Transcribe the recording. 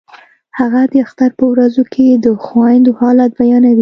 هغه د اختر په ورځو کې د خویندو حالت بیانوي